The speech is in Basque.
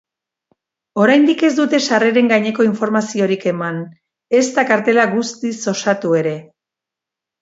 Oraindik ez dute sarreren gaineko informaziorik eman, ezta kartela guztiz osatu ere.